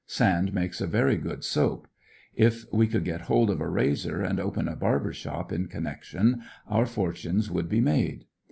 Sand makes a very good soap. If we could get hold of a razor and open a barber shop in connection, our for tunes would be made.